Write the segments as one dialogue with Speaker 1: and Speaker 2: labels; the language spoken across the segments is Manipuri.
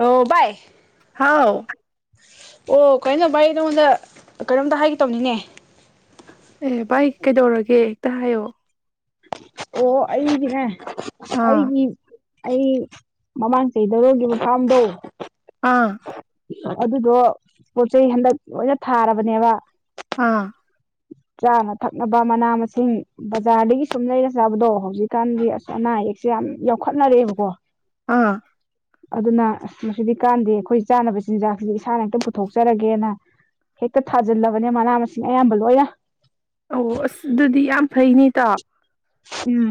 Speaker 1: ꯑꯣ ꯚꯥꯏ
Speaker 2: ꯍꯥꯎ
Speaker 1: ꯑꯣ ꯀꯩꯅꯣ ꯚꯥꯏ ꯅꯉꯣꯟꯗ ꯀꯩꯅꯣꯝꯇ ꯍꯥꯏꯒꯦ ꯇꯧꯕꯅꯤꯅꯦ
Speaker 2: ꯚꯥꯏ ꯀꯩꯗꯧꯔꯒꯦ ꯍꯦꯛꯇ ꯍꯥꯏꯌꯣ
Speaker 1: ꯑꯣ ꯑꯩꯒꯤꯅꯦ
Speaker 2: ꯑꯥ
Speaker 1: ꯑꯩꯒꯤ ꯑꯩ ꯃꯃꯥꯡ ꯆꯍꯤꯗ ꯂꯧꯒꯤꯕ ꯐꯥꯝꯗꯣ
Speaker 2: ꯑꯥ
Speaker 1: ꯑꯗꯨꯗꯣ ꯄꯣꯠ ꯆꯩꯩ ꯍꯟꯗꯛ ꯂꯣꯏꯅ ꯊꯥꯔꯕꯅꯦꯕ
Speaker 2: ꯑꯥ
Speaker 1: ꯆꯥꯅ ꯊꯛꯅꯕ ꯃꯅꯥ ꯃꯁꯤꯡ ꯕꯖꯥꯔꯗꯒꯤ ꯁꯨꯝ ꯂꯩꯔ ꯆꯥꯕꯗꯣ ꯍꯧꯖꯤꯛꯀꯥꯟꯗꯤ ꯑꯁ ꯑꯅꯥ ꯑꯌꯦꯛꯁꯦ ꯌꯥꯝ ꯌꯥꯎꯈꯠꯅꯔꯛꯑꯦꯕꯀꯣ
Speaker 2: ꯑꯥ
Speaker 1: ꯑꯗꯨꯅ ꯑꯁ ꯃꯁꯤꯗꯤ ꯀꯥꯟꯅꯗꯦ ꯑꯩꯈꯣꯏ ꯆꯥꯅꯕ ꯆꯤꯟꯖꯥꯛꯁꯤꯗꯤ ꯏꯁꯥꯅ ꯍꯦꯛꯇ ꯄꯨꯊꯣꯛꯆꯔꯒꯦꯅ ꯍꯦꯛꯇ ꯊꯥꯖꯤꯜꯂꯕꯅꯦ ꯃꯅꯥ ꯃꯁꯤꯡ ꯑꯌꯥꯝꯕ ꯂꯣꯏꯅ
Speaker 2: ꯑꯣ ꯑꯁ ꯑꯗꯨꯗꯤ ꯌꯥꯝ ꯐꯩꯅꯦ ꯏꯇꯥꯎ
Speaker 1: ꯎꯝ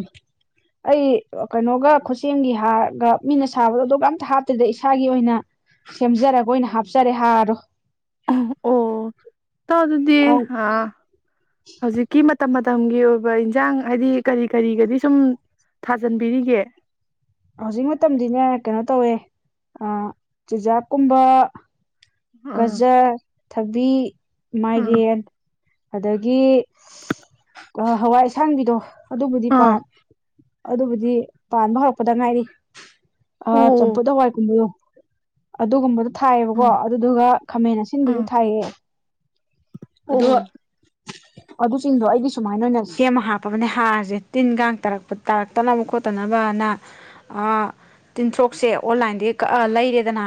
Speaker 1: ꯑꯩ ꯀꯩꯅꯣꯒ ꯈꯨꯠꯁꯦꯝꯒꯤ ꯍꯥꯔꯒ ꯃꯤꯅ ꯁꯥꯕꯗꯣ ꯑꯗꯨꯒ ꯑꯃꯇ ꯍꯥꯞꯇꯦꯗ ꯏꯁꯥꯒꯤ ꯑꯣꯏꯅ ꯁꯦꯝꯖꯔꯒ ꯑꯣꯏꯅ ꯍꯥꯞꯆꯔꯦ ꯍꯥꯔꯗꯣ
Speaker 2: ꯑꯪ ꯑꯣ ꯏꯇꯥꯎ ꯑꯗꯨꯗꯤ
Speaker 1: ꯑꯧ
Speaker 2: ꯑꯥ ꯍꯧꯖꯤꯛꯀꯤ ꯃꯠ ꯃꯇꯝ ꯃꯇꯝꯒꯤ ꯑꯣꯏꯕ ꯏꯟꯖꯥꯡ ꯍꯥꯏꯗꯤ ꯀꯔꯤ ꯀꯔꯤꯒꯗꯤ ꯁꯨꯝ ꯊꯥꯖꯟꯕꯤꯔꯤꯒꯦ
Speaker 1: ꯍꯧꯖꯤꯛ ꯃꯇꯝꯗꯤꯅꯦ ꯀꯩꯅꯣ ꯇꯧꯋꯦ ꯑꯥ ꯆꯨꯖꯥꯡ ꯀꯨꯝꯕ
Speaker 2: ꯑꯥ
Speaker 1: ꯒꯖꯔ ꯊꯕꯤ
Speaker 2: ꯑꯥ
Speaker 1: ꯃꯥꯏꯔꯦꯟ ꯑꯗꯒꯤ ꯑꯥ ꯍꯋꯥꯏ ꯑꯁꯥꯡꯕꯤꯗꯣ ꯑꯗꯨꯕꯨꯗꯤ
Speaker 2: ꯑꯥ
Speaker 1: ꯄꯥꯔ ꯑꯗꯨꯕꯨꯗꯤ ꯄꯥꯟꯕ ꯍꯧ ꯄꯗ ꯉꯥꯏꯔꯤ ꯑꯥ
Speaker 2: ꯑꯣ
Speaker 1: ꯆꯝꯐꯨꯠ ꯍꯋꯥꯏ ꯀꯨꯝꯕꯗꯣ ꯑꯗꯨꯒꯨꯝꯕꯗꯨ ꯊꯥꯏꯌꯦꯕꯀꯣ
Speaker 2: ꯑꯥ
Speaker 1: ꯑꯗꯨꯗꯨꯒ ꯈꯥꯃꯦꯟ ꯑꯁꯤꯟꯕꯁꯨ
Speaker 2: ꯑꯥ
Speaker 1: ꯊꯥꯏꯌꯦ ꯑꯗꯣ
Speaker 2: ꯑꯣ
Speaker 1: ꯑꯗꯨꯁꯤꯡꯗꯣ ꯑꯩꯗꯤ ꯁꯨꯃꯥꯏꯅ ꯈ꯭ꯔꯌꯥꯝ ꯁꯦꯝꯃ ꯍꯥꯞꯄꯕꯅꯦ ꯍꯥꯔꯁꯦ ꯇꯤꯟꯀꯥꯟ ꯇꯥꯔꯛꯄ ꯇꯥꯔꯛꯇꯅꯕ ꯈꯣꯠꯇꯅꯕꯅ ꯑꯥ ꯇꯤꯟꯊ꯭ꯣꯔꯛꯁꯦ ꯑꯣꯟꯂꯥꯏꯟꯗꯒꯤ ꯀꯛꯑ ꯂꯩꯔꯦꯗꯅ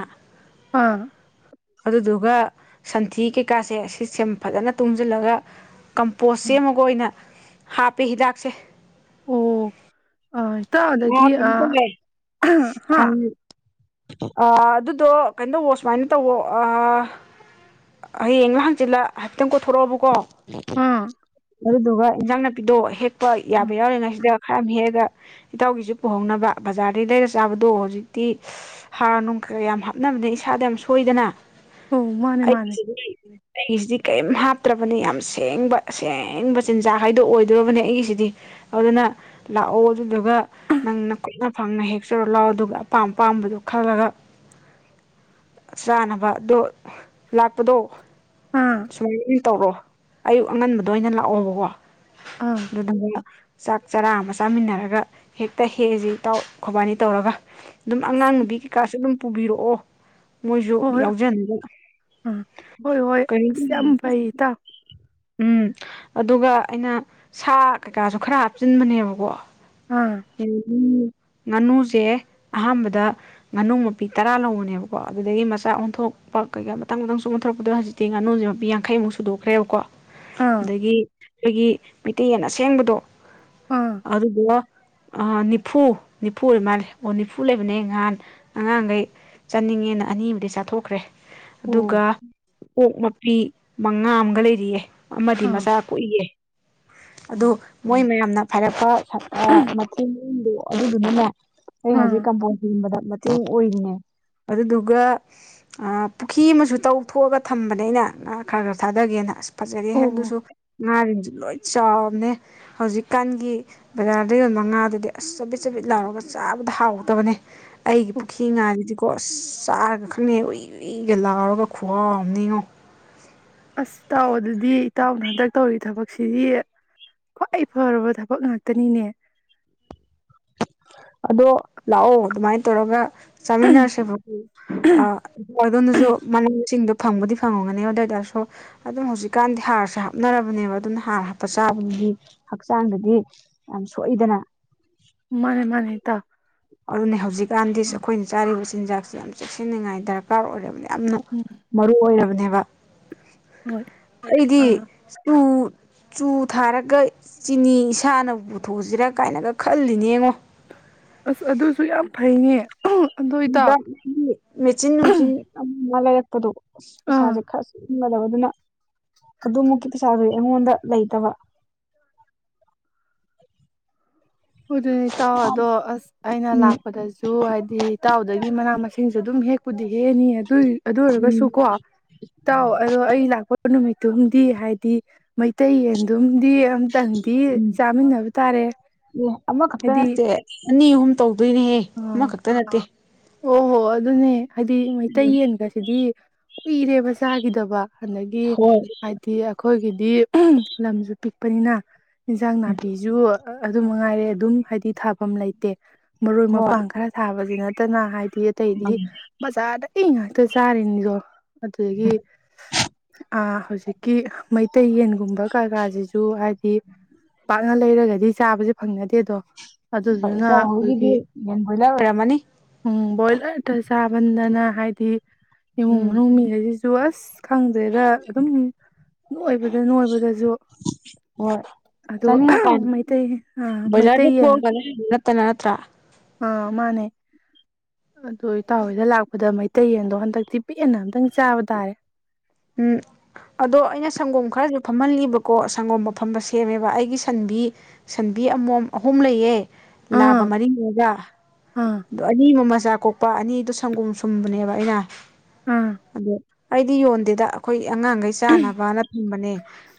Speaker 2: ꯑꯥ
Speaker 1: ꯑꯗꯨꯗꯨꯒ ꯁꯟꯊꯤ ꯀꯩꯀꯥꯁꯦ ꯁꯤ ꯁꯦꯝ ꯐꯖꯅ ꯇꯨꯡꯁꯤꯜꯂꯒ ꯀꯝꯄꯣꯁ ꯁꯦꯝꯃꯒ ꯑꯣꯏꯅ ꯍꯥꯞꯄꯦ ꯍꯤꯗꯥꯛꯁꯦ
Speaker 2: ꯑ ꯏꯇꯥꯎ ꯑꯗꯤ
Speaker 1: ꯑ ꯀꯩꯅꯣ
Speaker 2: ꯑꯥ
Speaker 1: ꯇꯧꯋꯦ
Speaker 2: ꯍꯥ
Speaker 1: ꯑꯥ ꯑꯗꯨꯗꯣ ꯀꯩꯅꯣ ꯇꯧꯑꯣ ꯁꯨꯃꯥꯏꯅ ꯇꯧꯑꯣ ꯑꯥ ꯍꯌꯦꯡꯂ ꯍꯪꯆꯤꯠꯂ ꯍꯥꯏꯐꯦꯠꯇꯪ ꯀꯣꯏꯊꯣꯔꯛꯑꯣꯕꯀꯣ
Speaker 2: ꯑꯥ
Speaker 1: [inaudible] ꯑꯗꯨꯗꯨꯒ ꯏꯟꯖꯥꯡ ꯅꯥꯄꯤꯗꯣ ꯍꯦꯛ ꯄ ꯌꯥꯕ ꯌꯥꯎꯔꯦ ꯉꯥꯏꯁꯤꯗ [unintelligible] ꯏꯇꯥꯎꯒꯤꯁꯨ ꯄꯨꯍꯧꯅꯕ ꯕꯖꯥꯔꯗꯩ ꯂꯩꯔ ꯆꯥꯕꯗꯣ ꯍꯧꯖꯤꯛꯇꯤ ꯍꯥꯔ ꯅꯨꯡ ꯀ ꯌꯥꯝ ꯍꯥꯞꯅꯕꯗꯩ ꯏꯁꯥꯗ ꯌꯥꯝ ꯁꯣꯏꯗꯅ
Speaker 2: ꯑꯣ ꯃꯥꯅꯦ ꯃꯥꯅꯦ
Speaker 1: [inaudible] ꯑꯩꯁꯤꯗꯤ ꯀꯔꯤꯝ ꯍꯥꯞꯇ꯭ꯔꯕꯅꯦ ꯌꯥꯝ ꯁꯦꯡꯕ ꯑꯁꯦꯡꯕ ꯆꯤꯟꯖꯥꯛ ꯍꯥꯏꯗꯣ ꯑꯣꯏꯗꯣꯔꯕꯅꯦ ꯑꯩꯒꯤꯁꯤꯗꯤ ꯑꯗꯨꯅ ꯂꯥꯛꯑꯣ ꯑꯗꯨꯗꯨꯒ ꯅꯪ ꯅꯈꯨꯠꯅ ꯐꯪꯅ ꯍꯦꯛꯆꯔꯣ ꯂꯥꯎꯑꯣ ꯑꯗꯨꯒ ꯑꯄꯥꯝ ꯑꯄꯥꯝꯕꯗꯨ ꯈꯜꯂꯒ ꯆꯥꯅꯕ ꯑꯗꯣ ꯂꯥꯛꯄꯗꯣ
Speaker 2: ꯑꯥ
Speaker 1: [unintelligible] ꯇꯧꯔꯣ ꯑꯌꯨꯛ ꯑꯉꯟꯕꯗ ꯑꯣꯏꯅ ꯂꯥꯛꯑꯣꯕꯀꯣ
Speaker 2: ꯑꯥ
Speaker 1: [inaudible] ꯆꯥꯛ ꯆꯔꯥ ꯑꯃ ꯆꯥꯃꯤꯟꯅꯔꯒ ꯍꯦꯛꯇ ꯍꯦꯛꯑꯖꯤ ꯏꯇꯥꯎ ꯈꯣꯏꯕꯥꯅꯤ ꯇꯧꯔꯒ ꯑꯗꯨꯝ ꯑꯉꯥꯡ ꯅꯨꯕꯤ ꯀꯩꯀꯥꯁꯨ ꯑꯗꯨꯝ ꯄꯨꯕꯤꯔꯛꯑꯣ ꯃꯣꯏꯁꯨ
Speaker 2: ꯍꯣꯏ ꯍꯣꯏ
Speaker 1: ꯌꯥꯎꯖꯅꯕ
Speaker 2: ꯑꯥ ꯍꯣꯏ ꯍꯣꯏ
Speaker 1: ꯀꯩꯅꯣ
Speaker 2: ꯏꯁ ꯌꯥꯝ ꯐꯩ ꯏꯇꯥꯎ
Speaker 1: ꯎꯝ ꯑꯗꯨꯒ ꯑꯩꯅ ꯁꯥ ꯀꯩꯀꯥꯁꯨ ꯈꯔ ꯍꯥꯞꯆꯤꯟꯕꯅꯦꯕꯀꯣ
Speaker 2: ꯑꯥ
Speaker 1: ꯏꯟ [unintelligible] ꯉꯥꯅꯨꯁꯦ ꯑꯍꯥꯟꯕꯗ ꯉꯥꯅꯨ ꯃꯄꯤ ꯇꯔꯥ ꯂꯧꯕꯅꯦꯕꯀꯣ ꯑꯗꯨꯗꯢ ꯃꯆꯥ ꯑꯣꯟꯊꯣꯛꯄ ꯀꯩꯀꯥ ꯃꯊꯪ ꯃꯊꯪꯁꯨꯝ ꯑꯣꯟꯊꯣꯔꯛꯄꯗ ꯍꯧꯖꯤꯛꯇꯤ ꯉꯥꯅꯨꯁꯦ ꯃꯄꯤ ꯌꯥꯡꯈꯩꯃꯨꯛ ꯁꯨꯗꯣꯛꯈ꯭ꯔꯦꯕꯀꯣ
Speaker 2: ꯑꯥ
Speaker 1: ꯑꯗꯒꯤ ꯈꯩꯒꯤ ꯃꯩꯇꯩꯌꯦꯟ ꯑꯁꯦꯡꯕꯗꯣ
Speaker 2: ꯑꯥ
Speaker 1: ꯑꯗꯨꯗꯨꯑ ꯑꯥ ꯅꯤꯐꯨ ꯅꯤꯐꯨ ꯑꯣꯏ ꯃꯥꯜꯂꯦ ꯑꯣ ꯅꯤꯐꯨ ꯂꯩꯕꯅꯦ ꯅꯍꯥꯟ ꯑꯉꯥꯡꯒꯩ ꯆꯥꯅꯤꯡꯉꯦꯅ ꯑꯅꯤꯑꯝꯗꯤ ꯆꯥꯊꯣꯛꯈ꯭ꯔꯦ
Speaker 2: ꯑꯣ
Speaker 1: ꯑꯗꯨꯒ ꯑꯣꯛ ꯃꯄꯤ ꯃꯉꯥ ꯑꯝꯒ ꯂꯩꯔꯤꯌꯦ ꯑꯃꯗꯤ
Speaker 2: ꯑꯥ
Speaker 1: ꯃꯆꯥ ꯀꯣꯛꯏꯌꯦ ꯑꯗꯨ
Speaker 2: ꯑꯣ
Speaker 1: ꯃꯣꯏ ꯃꯌꯥꯝꯅ ꯐꯔꯦ ꯐ ꯍ ꯑ ꯃꯇꯨꯡ [inaudible] ꯑꯗꯨꯗꯨꯅꯅꯦ ꯑꯩ
Speaker 2: ꯑꯥ
Speaker 1: ꯍꯧꯖꯤꯛꯀꯥꯟ ꯕꯣꯡ ꯆꯤꯟꯕꯗ ꯃꯇꯦꯡ ꯑꯣꯏꯅꯤꯡꯒꯦ ꯑꯗꯨꯗꯨꯒ ꯑ ꯄꯨꯈꯤ ꯑꯃꯁꯨ ꯇꯧ ꯊꯣꯛꯑꯒ ꯊꯝꯕꯅꯦ ꯑꯩꯅ ꯉꯥ ꯈꯔ ꯈꯔ ꯊꯥꯗꯒꯦꯅ ꯑꯁ ꯐꯖꯔꯦꯍꯦ
Speaker 2: ꯑꯣ ꯑꯣ
Speaker 1: ꯑꯗꯨꯁꯨ ꯉꯟ ꯂꯣꯏ ꯆꯥꯎꯔꯅꯦ ꯍꯧꯖꯤꯛꯀꯥꯟꯒꯤ ꯕꯖꯥꯔꯗ ꯌꯣꯟꯕ ꯉꯥꯗꯨꯗꯤ ꯑꯁ ꯆꯕꯤꯠ ꯆꯕꯤꯠ ꯂꯥꯎꯔꯒ ꯆꯥꯕꯗ ꯍꯥꯎꯇꯕꯅꯦ ꯑꯩꯒꯤ
Speaker 2: ꯑꯣ
Speaker 1: ꯄꯨꯈꯤ ꯉꯥꯗꯨꯗꯤꯀꯣ ꯑꯁ ꯆꯥꯔꯒ ꯅꯦ ꯎꯨꯏ ꯎꯨꯏꯒ ꯂꯥꯎꯔꯒ ꯈꯨꯍꯥꯎ ꯑꯃꯅꯦ ꯉꯣ
Speaker 2: ꯗꯤ ꯏꯇꯥꯎꯅ ꯍꯟꯗꯛ ꯇꯧꯔꯤ ꯊꯕꯛꯁꯤꯗꯤ ꯈ꯭ꯋꯥꯏ ꯐꯔꯕ ꯊꯕꯛ ꯉꯥꯛꯇꯅꯤꯅꯦ
Speaker 1: ꯑꯗꯣ ꯂꯥꯛꯑꯣ ꯑꯗꯨꯃꯥꯏꯅ ꯇꯧꯔꯒ ꯆꯥꯃꯤꯟꯅꯔꯁꯦꯕꯀꯣ ꯑꯗꯣꯝꯗꯁꯨ ꯃꯅꯥꯃꯁꯤꯡꯗꯣ ꯐꯪꯕꯨꯗꯤ ꯐꯪꯉꯝꯒꯅꯤ ꯑꯗꯨꯑꯣꯏꯇꯥꯁꯨ ꯑꯗꯣ ꯍꯧꯖꯤꯛꯀꯥꯟꯗꯤ ꯍꯥꯔꯁꯦ ꯍꯥꯞꯅꯔꯕꯅꯦꯕ ꯑꯗꯨꯅ ꯍꯥꯔ ꯍꯥꯞꯄ ꯆꯥꯕꯗꯨꯗꯤ ꯍꯛꯆꯥꯡꯗꯗꯤ ꯌꯥꯝ ꯁꯣꯛꯏꯗꯅ
Speaker 2: ꯃꯅꯦ ꯃꯥꯅꯦ ꯏꯇ
Speaker 1: ꯑꯗꯨꯅꯦ ꯍꯧꯖꯤꯛꯀꯥꯟꯗꯤ ꯑꯩꯈꯣꯏꯅ ꯆꯥꯔꯤꯕꯁꯤ ꯆꯤꯟꯖꯥꯛꯁꯤ ꯌꯥꯝ ꯆꯦꯛꯁꯤꯟꯅꯤꯡꯉꯥꯏ ꯗꯔꯀꯥꯔ ꯑꯣꯏꯔꯕꯅꯦ ꯌꯥꯝꯅ
Speaker 2: ꯎꯝ
Speaker 1: ꯃꯔꯨ ꯑꯣꯏꯔꯕꯅꯦꯕ
Speaker 2: ꯍꯣꯏ
Speaker 1: ꯍ ꯑꯩꯗꯤ
Speaker 2: ꯑꯥ
Speaker 1: ꯆꯨ ꯆꯨ ꯊꯥꯔꯒ ꯆꯤꯅꯤ ꯏꯁꯥꯅ ꯄꯨꯊꯣꯛꯑꯁꯤꯔꯥ ꯀꯥꯏꯅꯒ ꯈꯜꯂꯤꯅꯦ ꯉꯣ
Speaker 2: ꯑꯁ ꯑꯗꯨꯁꯨ ꯌꯥꯝ ꯐꯩꯅꯦ ꯑꯗꯣ ꯏꯇꯥꯎ
Speaker 1: ꯅꯍꯥꯛꯒꯤ ꯃꯦꯆꯤꯟ ꯅꯨꯡꯖꯤꯟ ꯑꯃ ꯂꯩꯔ ꯀꯗꯧ ꯑꯁ
Speaker 2: ꯑꯥ
Speaker 1: ꯄꯩꯁꯥ ꯁꯦ ꯈ꯭ꯔꯁ ꯆꯡꯒꯗꯕꯗꯨꯅ ꯑꯗꯨꯃꯨꯛꯀꯤ ꯄꯩꯁꯥꯗꯨꯗꯤ ꯑꯩꯉꯣꯟꯗ ꯂꯩꯇꯕ
Speaker 2: ꯑꯗꯨꯗꯤ ꯏꯇꯥꯎ ꯑꯗꯣ ꯑꯁ ꯑꯩꯅ
Speaker 1: ꯎꯝ
Speaker 2: ꯂꯥꯛꯄꯗꯁꯨ ꯍꯥꯏꯗꯤ ꯏꯇꯥꯎꯗꯒꯤ ꯃꯅꯥ ꯃꯁꯤꯡꯁꯨ ꯑꯗꯨꯝ ꯍꯦꯛ ꯄꯨꯗꯦꯍꯦ ꯑꯅꯤ ꯍꯥꯏ ꯑꯝ ꯑꯗꯨ ꯑꯣꯏꯔꯒꯁꯨ
Speaker 1: ꯎꯝ
Speaker 2: ꯀꯣ ꯇꯥꯎ ꯑꯗꯣ ꯑꯩ ꯂꯥꯛꯄ ꯅꯨꯃꯤꯠ ꯑꯗꯨꯝꯗꯤ ꯍꯥꯏꯗꯤ ꯃꯩꯇꯩ ꯌꯦꯟꯗꯨꯝꯗꯤ ꯑꯝꯇꯪꯗꯤ
Speaker 1: ꯎꯝ
Speaker 2: ꯆꯥꯃꯤꯟꯅꯕ ꯇꯥꯔꯦ
Speaker 1: ꯑꯦ ꯑꯃꯈꯛꯇ
Speaker 2: ꯍꯥꯏꯗꯤ
Speaker 1: ꯅꯠꯇꯦ ꯑꯅꯤ ꯑꯍꯨꯝ ꯇꯧꯗꯣꯏꯅꯦꯍꯦ
Speaker 2: ꯑꯥ
Speaker 1: ꯑꯃꯈꯛꯇ ꯅꯠꯇꯦ [inaudible]
Speaker 2: ꯑꯣ ꯍꯣ ꯑꯗꯨꯅꯦ ꯍꯥꯏꯗꯤ ꯃꯩꯇꯩ
Speaker 1: ꯎꯝ
Speaker 2: ꯌꯦꯟꯒꯁꯤꯗꯤ ꯀꯨꯏꯔꯦꯕ ꯆꯥꯈꯤꯗꯕ ꯑꯗꯒꯤ
Speaker 1: ꯍꯣꯏ
Speaker 2: ꯍꯥꯏꯗꯤ ꯑꯩꯈꯣꯏꯒꯤꯗꯤ ꯂꯝꯁꯨ ꯄꯤꯛꯄꯅꯤꯅ ꯏꯟꯖꯥꯡ
Speaker 1: ꯎꯝ
Speaker 2: ꯅꯥꯄꯤꯁꯨ ꯑꯗꯨꯝꯉꯥꯏꯔꯦ ꯑꯗꯨꯝ ꯍꯥꯏꯗꯤ ꯊꯥꯐꯝ ꯂꯩꯇꯦ ꯃꯔꯣꯏ
Speaker 1: ꯍꯣꯏ
Speaker 2: ꯃꯄꯥꯡ ꯈꯔ ꯊꯕꯁꯤꯅ ꯀꯅꯥ ꯍꯥꯏ ꯃꯤ ꯑꯇꯩꯗꯤ
Speaker 1: ꯎꯝ
Speaker 2: ꯕꯖꯥꯔꯗ ꯏ ꯉꯥꯛꯇ ꯆꯥꯔꯤꯅꯤꯗꯣ ꯑꯗꯨꯗꯒꯤ ꯑ ꯍꯧꯖꯤꯛꯀꯤ ꯃꯩꯇꯩ ꯌꯦꯟꯒꯨꯝꯕ ꯀꯩꯀꯥꯁꯤꯁꯨ ꯍꯥꯏꯗꯤ ꯄꯥꯛꯅ ꯂꯩꯔꯒꯗꯤ ꯆꯥꯕꯁꯦ ꯐꯪꯅꯗꯦ ꯑꯗꯣ
Speaker 1: ꯏꯇꯥꯎꯍꯣꯏꯒꯤꯗꯤ ꯌꯦꯟ ꯕꯣꯏꯂꯔ ꯑꯣꯏꯔꯝꯃꯅꯤ
Speaker 2: ꯎꯝ ꯕꯣꯏꯂꯔꯗ ꯆꯥꯃꯟꯗ ꯅ ꯍꯥꯏꯗꯤ ꯏꯃꯨꯡ
Speaker 1: ꯎꯝ
Speaker 2: ꯃꯅꯨꯡ ꯃꯤ ꯈꯩꯁꯦ ꯇꯨ ꯑꯁ ꯈꯪꯗ꯭ꯔꯦꯗ ꯑꯗꯨꯝ ꯅꯣꯏꯕꯗ ꯅꯣꯏꯕꯗꯁꯨ
Speaker 1: ꯍꯣꯏ
Speaker 2: ꯑꯗꯣ
Speaker 1: ꯆꯥꯅꯤꯡꯉꯀꯥꯟ
Speaker 2: ꯃꯩꯇꯩ ꯑꯥ
Speaker 1: ꯕꯣꯏꯂꯔꯗꯤ
Speaker 2: ꯃꯩꯇꯩꯌꯦꯟ
Speaker 1: ꯊꯣꯛꯑꯒꯅꯦ ꯅꯠꯇꯅ ꯅꯠꯇ꯭ꯔꯥ
Speaker 2: ꯑꯥ ꯃꯥꯅꯦ ꯑꯗꯨ ꯏꯇꯥꯎ ꯍꯣꯏꯗ ꯂꯥꯛꯄꯗ ꯃꯩꯇꯩ ꯌꯦꯟꯗꯣ ꯍꯟꯗꯛꯇꯤ ꯄꯦꯟꯅ ꯑꯝꯇꯪ ꯆꯥꯕ ꯇꯥꯔꯦ
Speaker 1: ꯎꯝ ꯑꯗꯣ ꯑꯩꯅ ꯁꯪꯒꯣꯝ ꯈꯔꯁꯨ ꯐꯝꯍꯜꯂꯤꯕꯀꯣ ꯁꯪꯒꯣꯝ ꯑꯐꯝꯕ ꯁꯦꯝꯃꯦꯕ ꯑꯩꯒꯤ ꯁꯟꯕꯤ ꯁꯟꯕꯤ ꯑꯃꯣꯝ ꯑꯍꯨꯝ ꯂꯩꯌꯦ
Speaker 2: ꯑꯥ
Speaker 1: ꯂꯥꯕ ꯃꯔꯤꯡꯉꯒ
Speaker 2: ꯑꯥ
Speaker 1: ꯑꯗꯨ ꯑꯅꯤꯃꯨ ꯃꯆꯥ ꯀꯣꯛ ꯅꯨꯄꯥ ꯑꯅꯤꯗꯣ ꯁꯪꯒꯣꯝ ꯁꯨꯝꯕꯅꯦꯕ ꯑꯩꯅ
Speaker 2: ꯑꯝ
Speaker 1: ꯑꯗꯣ ꯑꯩꯗꯤ ꯌꯣꯟꯗꯦꯗ ꯑꯩꯈꯣꯏ ꯑꯉꯥꯡꯈꯩ ꯆꯥꯅꯕꯅ ꯊꯝꯕꯅꯦ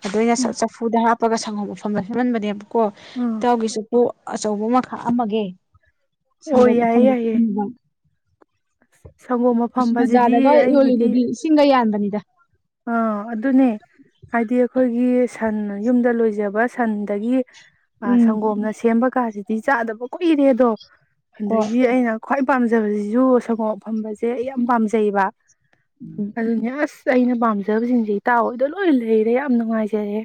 Speaker 1: ꯑꯗꯩ ꯁꯠ
Speaker 2: ꯎꯝ
Speaker 1: ꯑꯩꯅ ꯆꯐꯨꯗ ꯍꯥꯞ ꯄꯒ ꯁꯪꯒꯣꯝ ꯑꯐꯝꯕ ꯁꯦꯝꯃꯟꯕꯅꯦꯕ ꯀꯣ
Speaker 2: ꯎꯝ
Speaker 1: ꯏꯇꯥꯎꯒꯤꯁꯨ ꯀꯣ ꯑꯆꯧꯕꯃ ꯈꯥꯑꯝꯃꯒꯦ
Speaker 2: ꯑꯣ
Speaker 1: ꯁꯪꯒꯣꯝ
Speaker 2: ꯌꯥꯏꯌꯦ
Speaker 1: ꯃꯐꯝꯕ
Speaker 2: ꯌꯥꯏꯌꯦ
Speaker 1: ꯆꯨꯞꯅꯤꯡꯕꯔꯥ [unintelligible]
Speaker 2: ꯁꯪꯒꯣꯝ
Speaker 1: ꯑꯁ
Speaker 2: ꯑꯐꯝꯕꯁꯤꯗꯤ
Speaker 1: ꯕꯖꯥꯔꯗꯒ ꯌꯣꯜꯂꯤꯗꯨꯗꯤ ꯏꯁꯤꯡꯒ ꯌꯥꯟꯕꯅꯤ
Speaker 2: ꯑ ꯑꯗꯨꯅꯦ ꯍꯥꯏꯗꯤ ꯑꯩꯈꯣꯏꯒꯤ ꯁꯟ ꯌꯨꯝꯗ ꯂꯣꯏꯖꯕ ꯁꯟꯗꯒꯤ
Speaker 1: ꯎꯝ
Speaker 2: ꯁꯪꯒꯣꯝꯅ ꯁꯦꯝꯕ ꯀꯥꯁꯤ ꯆꯥꯗꯕ ꯀꯨꯏꯔꯦ ꯑꯗꯣ
Speaker 1: ꯀꯣ
Speaker 2: ꯑꯗꯒꯤ ꯑꯩꯅ ꯈ꯭ꯋꯥꯏ ꯄꯥꯝꯖꯕꯁꯤꯁꯨ ꯁꯪꯒꯣꯞ ꯑꯐꯝꯕꯁꯦ ꯑꯩ ꯌꯥꯝ ꯄꯥꯝꯖꯩꯌꯦꯕ
Speaker 1: ꯎꯝ
Speaker 2: ꯑꯗꯨꯅꯤ ꯑꯥ꯭ꯁ ꯀꯩꯅꯣ ꯄꯥꯝꯖꯕꯁꯤꯡꯁꯦ ꯏꯇꯥꯎ ꯍꯣꯏꯗ ꯣꯏ ꯂꯩꯔꯦ ꯌꯥꯝ ꯅꯨꯡꯉꯥꯏꯖꯔꯦ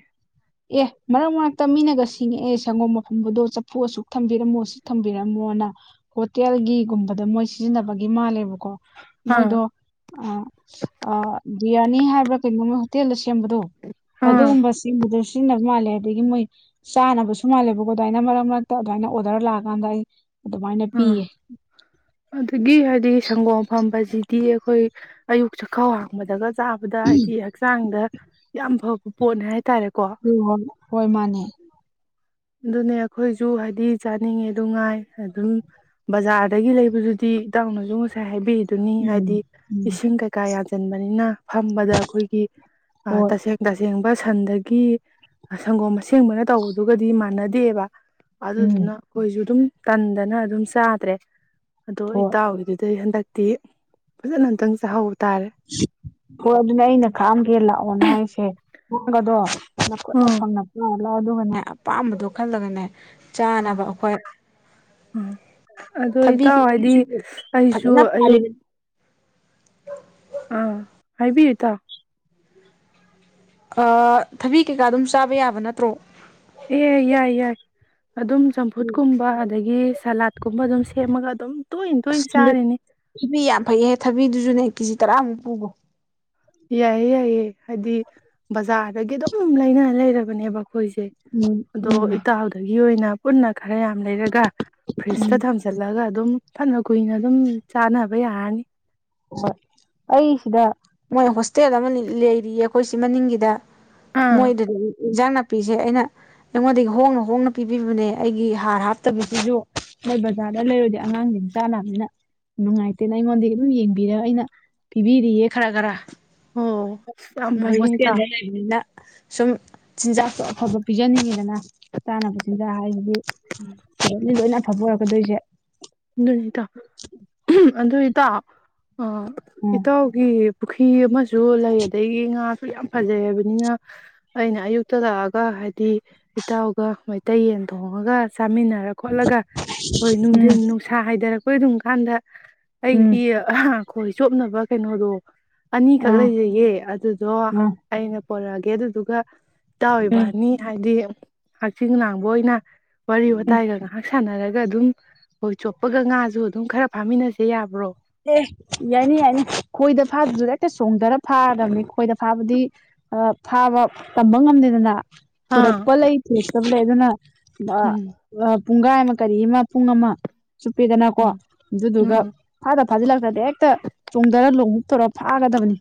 Speaker 1: ꯑꯦ ꯃꯔꯛ ꯃꯔꯛꯇ ꯃꯤꯅꯒ ꯁꯤꯡꯉꯛꯑꯦ ꯁꯪꯒꯣꯝ ꯑꯐꯝꯕꯗꯣ ꯆꯐꯨ ꯑꯁꯨꯛ ꯊꯝꯕꯤꯔꯝꯃꯣ ꯑꯁꯨꯛ ꯊꯝꯕꯤꯔꯝꯃꯣꯅ ꯍꯣꯇꯦꯜꯒꯤꯒꯨꯝꯕꯗ ꯃꯣꯏ ꯁꯤꯖꯤꯟꯅꯕꯒꯤ ꯃꯥꯜꯂꯦꯕꯀꯣ
Speaker 2: ꯑꯥ
Speaker 1: ꯃꯣꯏꯗꯣ ꯑꯥ ꯑꯥ ꯕꯤꯌꯥꯏ ꯍꯥꯏꯕ꯭ꯔꯥ ꯀꯩꯅꯣ ꯍꯣꯇꯦꯜꯗ ꯁꯦꯝꯕꯗꯣ
Speaker 2: ꯑꯥ
Speaker 1: ꯑꯗꯨꯒꯨꯝꯕ ꯁꯦꯝꯕꯗ [unintelligible] ꯁꯤꯖꯤꯟꯅꯕ ꯃꯥꯜꯂꯦ ꯑꯗꯒꯤ ꯃꯣꯏ ꯆꯥꯅꯕꯁꯨ ꯃꯥꯜꯂꯦꯕꯀꯣ ꯑꯗꯨꯃꯥꯏꯅ ꯃꯔꯛ ꯃꯔꯛꯇ ꯑꯗꯨꯃꯥꯏꯅ ꯑꯣꯔꯗꯔ ꯂꯥꯛꯑꯀꯥꯟꯗ ꯑꯩ ꯑꯗꯨꯃꯥꯏꯅ
Speaker 2: ꯑ
Speaker 1: ꯄꯤꯌꯦ
Speaker 2: ꯑꯗꯨꯗꯒꯤ ꯍꯥꯏꯗꯤ ꯁꯪꯒꯣꯝ ꯑꯐꯝꯕ ꯑꯁꯤꯗꯤ ꯑꯩꯈꯣꯏ ꯑꯌꯨꯛ ꯆꯈꯥꯎ ꯍꯥꯡꯕꯗꯒ ꯆꯥꯕꯗ ꯍꯥꯏꯗꯤ ꯍꯛꯆꯥꯡꯗ ꯌꯥꯝ ꯐꯕ ꯄꯣꯠꯅꯦ ꯍꯥꯏꯇꯥꯔꯦ [unintelligible]
Speaker 1: ꯍ ꯍꯣꯏ ꯍꯣꯏ ꯃꯥꯅꯦ [unintelligible]
Speaker 2: ꯑꯗꯨꯅꯦ ꯑꯩꯈꯣꯏꯁꯨ ꯍꯥꯏꯗꯤ ꯆꯥꯅꯤꯡꯉꯦ ꯗꯨꯉꯥꯏ ꯑꯗꯨꯝ ꯕꯖꯥꯔꯗꯒꯤ ꯂꯩꯕꯗꯨꯗꯤ ꯏꯇꯥꯎꯅꯁꯨ ꯉꯁꯥꯏ ꯍꯥꯏꯕꯤ ꯑꯗꯨꯨꯅꯤ
Speaker 1: ꯎꯝ
Speaker 2: ꯍꯥꯏꯗꯤ
Speaker 1: ꯎꯝ
Speaker 2: ꯏꯁꯤꯡ ꯀꯩꯀꯥ ꯌꯥꯟꯁꯤꯟꯕꯅꯤꯅ ꯐꯝꯕꯗ ꯑꯩꯈꯣꯏꯒꯤ
Speaker 1: ꯍꯣꯏ
Speaker 2: ꯇꯁꯦꯡ ꯇꯁꯦꯡꯕ ꯁꯟ--ꯗ ꯀꯦꯠ [unintelligible] ꯁꯪꯒꯣꯝ ꯑꯁꯦꯡꯕꯅ ꯇꯧꯕꯗꯨꯒꯗꯤ ꯃꯥ ꯅꯗꯦꯕ
Speaker 1: ꯎꯝ
Speaker 2: ꯑꯗꯨꯗꯨꯅ ꯑꯩꯈꯣꯏꯁꯨ ꯑꯗꯨꯝ ꯇꯟꯗꯅ ꯑꯗꯨꯝ ꯆꯥꯗ꯭ꯔꯦ ꯑꯗꯣ ꯑꯩ
Speaker 1: ꯍꯣꯏ
Speaker 2: ꯏꯇꯥꯎꯒꯤꯗꯨꯗ ꯑꯩ ꯍꯟꯗꯛ ꯇꯦꯞ ꯑꯗꯨ ꯅ ꯅꯇꯟ ꯆꯥꯍꯧ
Speaker 1: ꯑꯣ ꯑꯗꯨꯅꯦ ꯑꯩꯅ ꯈꯥꯛꯑꯝ ꯒꯦ ꯂꯥꯛ ꯑꯣꯅ ꯍꯥꯏꯁꯦ ꯄꯣꯟꯒꯗꯣ ꯅꯈꯨꯠꯅ
Speaker 2: ꯎꯝ
Speaker 1: ꯐꯪꯅꯀꯣ ꯂꯥꯎ ꯑꯗꯨ ꯒꯅꯦ ꯑꯄꯥꯝꯕꯗꯣ ꯈꯜꯂꯒꯅꯦ
Speaker 2: ꯎꯝ
Speaker 1: ꯆꯥꯅꯕ ꯑꯩꯈꯣꯏ
Speaker 2: ꯎꯝ ꯑꯗꯣ ꯏꯇꯥꯎ ꯍꯥꯏꯗꯤ
Speaker 1: ꯊꯕꯤꯁꯨ
Speaker 2: ꯑꯩꯁꯨ
Speaker 1: ꯐꯖꯅ
Speaker 2: ꯑꯌꯨꯛ
Speaker 1: ꯄꯥꯜꯂꯤ
Speaker 2: ꯑꯥ ꯍꯥꯏꯕꯤꯌꯨ ꯏꯇꯥꯎ
Speaker 1: ꯑ ꯊꯕꯤ ꯀꯩꯀꯥ ꯑꯗꯨꯝ ꯆꯥꯕ ꯌꯥꯕ ꯅꯠꯇ꯭ꯔꯣ
Speaker 2: ꯑꯦ ꯌꯥꯏ ꯌꯥꯏ ꯑꯗꯨꯝ ꯆꯝꯐꯨꯠ ꯀꯨꯝꯕ ꯑꯗꯒꯤ ꯁꯂꯥꯠ ꯀꯨꯝꯕ ꯑꯗꯨꯝ ꯁꯦꯝꯃꯒ ꯑꯗꯨꯝ ꯇꯣꯏꯅ
Speaker 1: ꯑꯁ
Speaker 2: ꯇꯣꯏꯅ
Speaker 1: ꯍꯟꯗꯛ
Speaker 2: ꯆꯥꯔꯤꯅꯤ
Speaker 1: ꯊꯕꯤ ꯌꯥꯝ ꯐꯩꯌꯦ ꯊꯕꯤꯗꯨ ꯁꯨꯅꯦ ꯀꯦꯖꯤ ꯇꯔꯥꯃꯨꯛ ꯄꯨꯒꯣ
Speaker 2: ꯌꯥꯏꯌꯦ ꯌꯥꯏꯌꯦ ꯍꯥꯏꯗꯤ ꯕꯖꯥꯔꯗꯒꯤ ꯑꯗꯨꯝ ꯂꯩꯅ ꯂꯩꯔꯕ ꯅꯦꯕ ꯑꯩꯈꯣꯏꯁꯦ
Speaker 1: ꯎꯝ
Speaker 2: ꯑꯗꯣ
Speaker 1: ꯎꯝ
Speaker 2: ꯏꯇꯥꯎꯗꯨꯒꯤ ꯑꯣꯏꯅ ꯄꯨꯟꯅ ꯈꯔ ꯌꯥꯝ ꯂꯩꯔꯒ
Speaker 1: ꯎꯝ
Speaker 2: ꯐ꯭ꯔꯤꯁꯇ ꯊꯝꯖꯤꯜꯂꯒ ꯑꯗꯨꯝ ꯐꯅꯛ ꯀꯨꯏꯅ ꯑꯗꯨꯝ ꯆꯥꯅꯕ ꯕ ꯌꯥꯔꯅꯤ
Speaker 1: ꯍꯣꯏ ꯑꯩ ꯁꯤꯗ ꯃꯣꯏ ꯍꯣꯁꯇꯦꯜ ꯑꯃ ꯂꯩꯔꯤꯌꯦ ꯑꯩꯈꯣꯏ ꯁꯤ ꯃꯅꯤꯡꯒꯤꯗ
Speaker 2: ꯑꯥ
Speaker 1: ꯃꯣꯏꯗ ꯏꯟꯖꯥꯡ ꯅꯥꯄꯤꯁꯦ ꯑꯩꯅ ꯑꯩꯉꯣꯟꯗꯒꯤ ꯍꯣꯡꯅ ꯍꯣꯡꯅ ꯄꯤꯕꯤꯕꯅꯦ ꯑꯩꯒꯤ ꯍꯥꯔ ꯍꯥꯞ ꯇꯕꯒꯤꯗꯣ ꯃꯣꯏ ꯕꯖꯥꯔꯗ ꯂꯩꯔꯨꯔꯗꯤ ꯑꯉꯥꯡꯁꯤꯡ ꯆꯥꯅꯕꯅꯤꯅ ꯅꯨꯡꯉꯥꯏꯇꯦꯅ ꯑꯩꯉꯣꯟꯗꯒꯤ ꯑꯗꯨꯝ ꯌꯦꯡ ꯌꯦꯡꯑ ꯑꯩꯅ ꯄꯤꯕꯤꯔꯤꯌꯦ ꯈꯔ ꯈꯔ
Speaker 2: ꯑꯣ ꯌꯥꯝ
Speaker 1: ꯃꯣꯏ
Speaker 2: ꯐꯩꯅꯦ ꯏꯇꯥꯎ
Speaker 1: ꯍꯣꯁꯇꯦꯜꯗ ꯂꯩꯕꯅꯤꯅ ꯁꯨꯝ ꯆꯤꯟꯖꯥꯛꯇꯣ ꯑꯐꯕ ꯄꯤꯖꯥ ꯅꯤꯡꯉꯤꯗꯅ ꯆꯥꯅꯕ ꯆꯤꯟꯖꯥꯛ ꯍꯥꯏꯁꯤꯗꯤ ꯂꯣꯏꯅ ꯂꯣꯏꯅ ꯑꯐꯕ ꯑꯣꯏ ꯀꯗꯣꯏꯖꯦ
Speaker 2: ꯑꯗꯨꯅꯦ ꯏꯇꯥꯎ ꯑꯗꯨ ꯏꯇꯥꯎ ꯑ
Speaker 1: ꯎꯝ
Speaker 2: ꯏꯇꯥꯎꯒꯤ ꯐꯤ ꯑꯝꯖꯨ ꯂꯣ ꯂꯩ ꯑꯗꯒꯤ ꯉꯥꯁꯨ ꯌꯥꯝ ꯐꯖꯩ ꯍꯥꯏꯕꯅꯤꯅ ꯑꯩꯅ ꯑꯌꯨꯛꯇ ꯂꯥꯛ ꯑꯒ ꯍꯥꯏꯗꯤ ꯏꯇꯥꯎꯒ ꯃꯩꯇꯩ ꯌꯦꯟ ꯊꯣꯡ ꯉꯒ ꯆꯥꯃꯤꯟꯅꯔ ꯈꯣꯠꯂꯒ ꯍꯣꯏ
Speaker 1: ꯎꯝ
Speaker 2: ꯅꯨꯡꯊꯤꯟ ꯅꯨꯡ ꯍꯥꯏꯊꯔꯛꯄꯩ ꯑꯗꯨꯝ ꯀꯥꯟꯗ ꯑꯩ
Speaker 1: ꯎꯝ
Speaker 2: ꯗꯤ ꯑꯍ ꯈꯣꯏ ꯆꯣꯞꯅꯕ ꯀꯩꯅꯣꯗꯣ ꯑꯅꯤꯈꯛ
Speaker 1: ꯑꯥ
Speaker 2: ꯂꯩꯖꯌꯦ ꯑꯗꯨꯗꯣ
Speaker 1: ꯑꯥ
Speaker 2: ꯑꯩꯅ ꯄꯣꯔꯔꯛꯑꯒꯦ ꯑꯗꯨꯗꯨꯒ ꯇꯥꯎ
Speaker 1: ꯎꯝ
Speaker 2: ꯏꯕꯅꯤ ꯍꯥꯏꯗꯤ ꯍꯛꯆꯤꯡꯂꯥꯡꯕ ꯑꯣꯏꯅ ꯋꯥꯔꯤ
Speaker 1: ꯎꯝ
Speaker 2: ꯋꯥꯇꯥꯏꯒ ꯉꯥꯏꯍꯥꯛ ꯁꯥꯟꯅꯔꯒ ꯗ ꯑꯗꯨꯝ ꯍꯣꯏ ꯆꯣꯞꯄꯒ ꯉꯥꯁꯨ ꯑꯗꯨꯝ ꯈꯔ ꯐꯥꯃꯤꯟꯅꯁꯦ ꯌꯥꯕ꯭ꯔꯣ
Speaker 1: ꯑꯦ ꯌꯥꯏꯅꯦ ꯌꯥꯏꯅꯦ ꯈꯣꯏꯗ ꯐꯥꯗ꯭ꯔꯁꯨ ꯍꯦꯛꯇ ꯆꯣꯡꯊꯔ ꯐꯥꯔꯗꯕꯅꯤ ꯈꯣꯏꯗ ꯐꯥꯕꯗꯤ ꯑ ꯐꯥꯕ ꯇꯝꯕ ꯉꯝꯗꯦꯗꯅ
Speaker 2: ꯑꯥ
Speaker 1: ꯊꯨꯔꯛꯄ ꯂꯩꯇ ꯆꯨꯝꯂꯦ ꯑꯗꯨꯅ ꯑ
Speaker 2: ꯎꯝ
Speaker 1: ꯑ ꯄꯨꯡꯈꯥꯏ ꯑꯃ ꯀꯔꯤ ꯑꯃ ꯄꯨꯡ ꯑꯃ ꯆꯨꯞꯄꯤꯗꯅꯀꯣ
Speaker 2: ꯎꯝ
Speaker 1: ꯑꯗꯨꯗꯨꯒ
Speaker 2: ꯑꯥ
Speaker 1: ꯗ ꯐꯥꯖꯤꯜꯂꯛꯛꯇ꯭ꯔꯗꯤ ꯍꯦꯛꯇ ꯆꯣꯡꯊꯔ ꯂꯣꯡ ꯎꯞ ꯇꯧꯔ ꯐꯥꯒꯗꯕꯅꯤ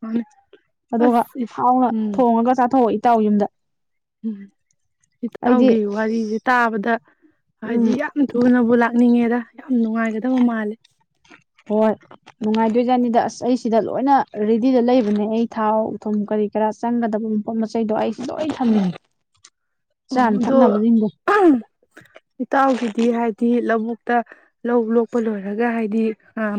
Speaker 2: ꯃꯥꯅꯦ
Speaker 1: ꯑꯗꯨꯒ
Speaker 2: ꯑꯁ
Speaker 1: ꯍꯥꯎꯅ
Speaker 2: ꯎꯝ
Speaker 1: ꯊꯣꯡꯉꯒ ꯆꯥꯊꯣꯛꯏ ꯇꯥꯎ ꯌꯨꯝꯗ
Speaker 2: ꯎꯝ
Speaker 1: ꯑꯩꯗꯤ
Speaker 2: ꯏꯇꯥꯎꯒꯤ ꯋꯥꯔꯤꯁꯦ ꯇꯥꯕꯗ ꯍꯥꯏꯗꯤ
Speaker 1: ꯎꯝ
Speaker 2: ꯌꯥꯝ ꯊꯨꯅꯕꯨ ꯂꯥꯛꯅꯤꯡꯉꯦꯗ ꯌꯥꯝ ꯅꯨꯡꯉꯥꯏ ꯀꯦꯗꯧ ꯃꯥꯟꯂꯤ
Speaker 1: ꯍꯣꯏ ꯅꯨꯡꯉꯥꯏꯗꯣꯏꯖꯥꯠꯅꯤꯗ ꯑꯁ ꯑꯩ ꯁꯤꯗ ꯂꯣꯏꯅ ꯔꯦꯗꯤꯗ ꯂꯩꯕꯅꯦ ꯑꯩ ꯊꯥꯎ ꯊꯨꯝ ꯀꯔꯤ ꯀꯔꯥ ꯆꯪꯒꯗꯕ ꯃꯄꯣꯠ ꯃꯆꯩꯗꯣ ꯑꯩ ꯂꯣꯏ
Speaker 2: ꯎꯝ
Speaker 1: ꯊꯝꯃꯤꯅꯦ
Speaker 2: ꯎꯝ
Speaker 1: ꯆꯥꯅ
Speaker 2: ꯑꯗꯣ
Speaker 1: ꯊꯛꯅꯕꯁꯤꯡꯗꯣ
Speaker 2: ꯏꯇꯥꯎꯒꯤꯗꯤ ꯍꯥꯏꯗꯤ ꯂꯧꯕꯨꯛ ꯇ ꯂꯧ ꯂꯣꯛꯄ ꯂꯣꯏꯔꯒ ꯍꯥꯏꯗꯤ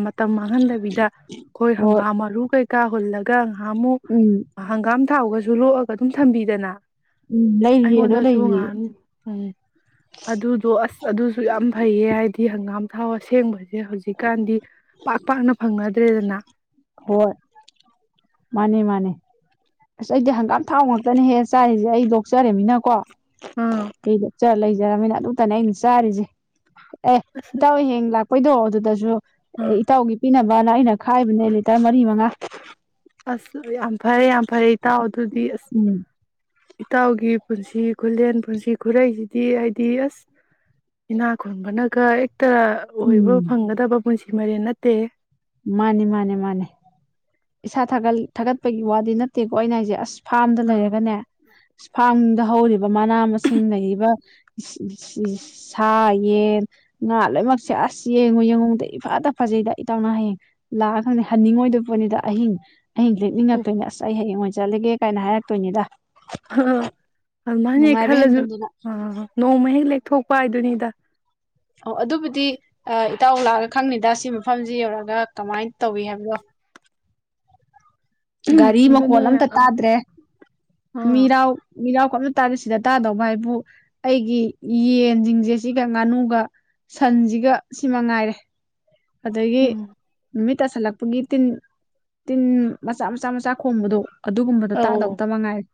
Speaker 2: ꯃꯇꯝ ꯃꯥꯡꯍꯟꯗꯕꯤꯗ ꯑꯩꯈꯣꯏ
Speaker 1: ꯍꯣꯏ
Speaker 2: ꯍꯪꯒꯥꯝ ꯃꯔꯨ ꯀꯩꯀꯥ ꯍꯨꯜꯂꯒ ꯀꯥꯡ ꯍꯥꯃꯨ
Speaker 1: ꯎꯝ
Speaker 2: ꯍꯪꯒꯥꯝ ꯊꯥꯎꯒ ꯁꯨ ꯂꯣꯛꯑꯒ ꯑꯗꯨꯝ ꯊꯝꯕꯤꯗꯅ
Speaker 1: ꯎꯝ ꯂꯩꯔꯤꯌꯦ ꯑꯗꯣ
Speaker 2: ꯑꯩꯉꯣꯟꯗꯁꯨ
Speaker 1: ꯂꯩꯔꯤꯌꯦ
Speaker 2: ꯉꯍꯥꯟ ꯎꯝ ꯑꯗꯨꯗꯣ ꯑꯁ ꯑꯗꯨꯁꯨ ꯌꯥꯝ ꯐꯩꯌꯦ ꯍꯥꯏꯗꯤ ꯍꯪꯒꯥꯝ ꯊꯥꯎ ꯑꯁꯦꯡꯕ ꯍꯧꯖꯤꯛꯀꯥꯟꯗꯤ ꯄꯥꯛ ꯄꯥꯛꯅ ꯐꯪꯅ ꯔꯦꯗꯅ
Speaker 1: ꯍꯣꯏ ꯃꯥꯅꯦ ꯃꯥꯅꯦ ꯑꯁ ꯑꯩꯗꯤ ꯍꯪꯒꯥꯝ ꯊꯥꯎ ꯉꯥꯛꯛꯇꯅꯦꯍꯦ ꯆꯥꯔꯤꯁꯦ ꯑꯩ ꯂꯣꯛꯆꯔꯅꯤꯅꯀꯣ
Speaker 2: ꯑꯥ
Speaker 1: ꯀꯩꯗ ꯆꯥ ꯂꯩꯖꯔꯝꯅꯤꯅ ꯑꯗꯨꯇꯅꯦ ꯑꯩꯅ ꯆꯥꯔꯤꯁꯦ ꯑꯦ ꯏꯇꯥꯎ ꯍꯌꯦꯡ ꯂꯥꯛꯄꯩꯗꯣ ꯑꯗꯨꯗꯁꯨ ꯑꯦ
Speaker 2: ꯑꯥ
Speaker 1: ꯏꯇꯥꯎꯒꯤ ꯄꯤꯅꯕ [unintelligible] ꯇꯔ ꯃꯔꯤ ꯃꯉꯥ
Speaker 2: ꯑꯁ ꯌꯥꯝ ꯐꯔꯦ ꯌꯥꯝ ꯐꯔꯦ ꯏꯇꯥꯎ ꯑꯗꯨꯗꯤ ꯑꯁ
Speaker 1: ꯎꯝ
Speaker 2: ꯏꯇꯥꯎꯒꯤ ꯄꯨꯟꯁꯤꯒꯤ ꯈꯨꯂꯦꯟ ꯄꯨꯟꯁꯤ ꯈꯨꯔꯩꯁꯤꯗꯤ ꯍꯥꯏꯗꯤ ꯑꯁ ꯏꯅꯥ ꯈꯨꯟꯕꯅꯒ ꯑꯣꯏꯕ
Speaker 1: ꯎꯝ
Speaker 2: ꯐꯪꯒꯗꯕ ꯄꯨꯟꯁꯤ ꯍꯦꯟꯕ ꯅꯠꯇꯦꯍꯦ
Speaker 1: ꯃꯥꯅꯤ ꯃꯥꯅꯦ ꯃꯥꯅꯦ ꯏꯁꯥꯥ ꯊꯥꯒꯠꯂꯤ ꯊꯥꯒꯠꯄꯒꯤ ꯋꯥꯗꯤ ꯅꯠꯇꯦꯀꯣ ꯑꯩꯅ ꯍꯩꯏꯁꯦ ꯑꯁ ꯐꯥꯝꯗ
Speaker 2: ꯑꯥ
Speaker 1: ꯂꯩꯔꯒꯅꯦ ꯏꯁ ꯐꯥꯝꯗ ꯍꯧꯔꯤꯕ ꯃꯅꯥ ꯃꯁꯤꯡ ꯂꯩꯔꯤꯕ ꯁꯥ ꯌꯦꯟ ꯉꯥ ꯂꯣꯏꯃꯛꯁꯦ ꯑꯁ ꯌꯦꯡꯉꯨ ꯌꯦꯡꯉꯨꯕꯗ ꯏꯐꯇ ꯐꯖꯩꯗ ꯏꯇꯥꯎ ꯅꯪ ꯍꯌꯦꯡ ꯂꯥꯛꯑ ꯈꯪꯅꯤ ꯍꯟꯅꯤꯡꯉꯣꯏꯗꯣꯏ ꯄꯣꯠꯅꯤꯗ ꯑꯍꯤꯡ ꯑꯍꯤꯡ ꯂꯦꯛꯅꯤꯡꯉꯛꯇꯣꯏꯅꯦ ꯑꯁ ꯑꯩ ꯍꯌꯦꯡ ꯑꯣꯏꯅ ꯆꯠꯂꯒꯦ ꯀꯥꯏꯅ ꯍꯥꯏꯔꯛ ꯇꯣꯏꯅꯦꯗ
Speaker 2: ꯍꯥ ꯑꯃꯥꯏꯅ ꯍꯦꯛ ꯈꯜꯂꯁꯨ
Speaker 1: ꯍꯦꯟꯃꯟꯗꯅ
Speaker 2: ꯅꯣꯡꯃꯥ ꯍꯦꯛ ꯂꯦꯛ ꯊꯣꯛꯄ ꯍꯥꯏꯗꯨꯅꯤꯗ
Speaker 1: ꯑꯣ ꯑꯗꯨꯕꯨꯗꯤ ꯑꯥ ꯏꯇꯥꯎ ꯂꯥꯛꯑꯒ ꯈꯪꯅꯤꯗ ꯁꯤ ꯃꯐꯝꯁꯤ ꯌꯧꯔꯒ ꯀꯃꯥꯏ ꯇꯧꯏꯤ ꯍꯥꯏꯕꯗꯣ ꯒꯥꯔꯤ
Speaker 2: ꯑꯗꯨꯅꯦ
Speaker 1: ꯃꯈꯣꯜ ꯑꯝꯇ
Speaker 2: ꯑꯥ
Speaker 1: ꯇꯥꯗ꯭ꯔꯦ
Speaker 2: ꯑꯥ
Speaker 1: ꯃꯤꯔꯥꯎ ꯃꯤꯔꯥꯎꯒ ꯑꯝ ꯇꯥꯗꯤ ꯁꯤꯗ ꯇꯥꯗꯧꯕ ꯍꯥꯏꯕꯨ ꯑꯩꯒꯤ ꯌꯦꯟꯖꯤꯡꯁꯦ ꯁꯤꯒ ꯉꯥꯅꯨꯒ ꯁꯟꯁꯤꯒ ꯁꯤꯃꯉꯥꯏꯔꯦ ꯑꯗꯒꯤ
Speaker 2: ꯎꯝ
Speaker 1: ꯅꯨꯃꯤꯠ ꯇꯥꯁꯜꯂꯛꯄꯒꯤ ꯇꯤꯟ ꯇꯤꯟ ꯃꯆꯥ ꯃꯆꯥ ꯃꯆꯥ ꯈꯣꯡꯕꯗꯣ ꯑꯗꯨꯒꯨꯝꯕꯗꯣ
Speaker 2: ꯑꯧ
Speaker 1: ꯇꯥꯗꯧꯇ ꯃꯉꯥꯏꯔꯦ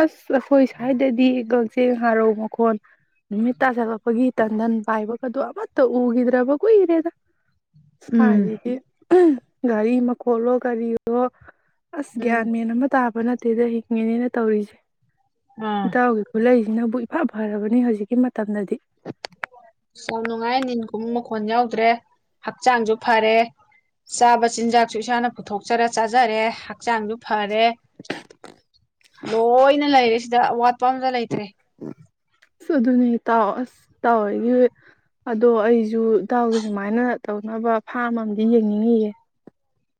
Speaker 2: ꯑꯁ ꯑꯩꯈꯣꯏ ꯁ꯭ꯋꯥꯏꯗꯗꯤ ꯀꯛꯆꯦꯡ ꯍꯥꯔꯧ ꯃꯈꯣꯟ ꯅꯨꯃꯤꯠ ꯇꯥꯁꯤꯜꯂꯛꯄꯒꯤ ꯇꯟꯗꯟ ꯄꯥꯏꯕꯒꯗꯣ ꯑꯃꯠꯇ ꯎꯈꯤꯗ꯭ꯔꯕ ꯀꯨꯏꯔꯦꯗ
Speaker 1: ꯎꯝ
Speaker 2: ꯁꯥꯏꯖꯤꯗꯤ ꯒꯥꯔꯤ ꯃꯈꯣꯜꯂꯣ ꯀꯔꯤꯑꯣ ꯑꯁ
Speaker 1: ꯎꯝ
Speaker 2: ꯒꯌꯥꯟ ꯃꯦꯟ ꯑꯃꯠ ꯇꯥꯕ ꯅꯠꯇꯦꯗ ꯍꯤꯡꯉꯤꯅꯦꯅ ꯇꯧꯔꯤꯁꯦ
Speaker 1: ꯑꯥ
Speaker 2: ꯏꯇꯥꯎꯒꯤ ꯈꯨꯂꯩ ꯅꯕꯨ ꯏꯐꯥ ꯐꯔꯕꯅꯤ ꯍꯧꯖꯤꯛꯀꯤ ꯃꯇꯝꯗꯗꯤ
Speaker 1: ꯌꯥꯝ ꯅꯨꯡꯉꯥꯏ ꯅꯤꯟ ꯈꯣꯡꯕ ꯃꯈꯣꯟ ꯌꯥꯎꯗ꯭ꯔꯦ ꯍꯛꯆꯥꯡꯁꯨ ꯐꯔꯦ ꯆꯥꯕ ꯆꯤꯟꯖꯥꯛꯁꯨ ꯏꯁꯥꯅ ꯄꯨꯊꯣꯛꯆꯔ ꯆꯥꯖꯔꯦ ꯍꯛꯆꯥꯡꯁꯨ ꯐꯔꯦ ꯂꯣꯏꯅ ꯂꯩꯔꯦ ꯁꯤꯗ ꯑꯋꯥꯠ ꯄꯪ ꯒ ꯂꯩꯇ꯭ꯔꯦ
Speaker 2: ꯑꯁ ꯑꯗꯨꯅꯦ ꯏꯇꯥꯎ ꯑꯁ ꯏꯇꯥꯎ ꯍꯣꯏꯒꯤ ꯑꯗꯣ ꯑꯩꯁꯨ ꯏꯇꯥꯎꯒꯤ ꯁꯨꯃꯥꯏꯅ ꯇꯧꯅꯕ ꯐꯥꯝ ꯑꯝꯗꯤ ꯌꯦꯡꯅꯤꯡꯉꯤꯌꯦ